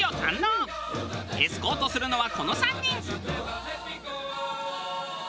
エスコートするのはこの３人。